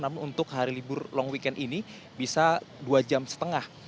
namun untuk hari libur long weekend ini bisa dua jam setengah